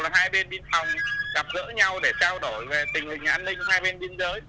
hai bên biên phòng gặp gỡ nhau để trao đổi về tình hình an ninh hai bên biên giới